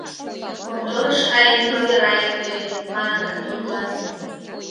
— Конторыш каен проверайыкте, — маныныт тудлан.